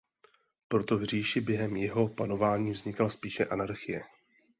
Proto v říši během jeho panování vznikla spíše anarchie.